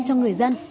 cho người dân